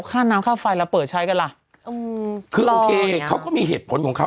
ข้าน้ำข้าวไฟแล้วเปิดใช้กันละคือโอเคเขาก็มีเหตุผลของเขา